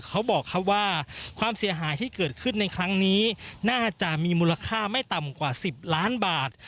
เขาบอกครับว่าความเสียหายที่เกิดขึ้นในครั้งนี้น่าจะมีมูลค่าไม่ต่ำกว่า๑๐ล้านบาท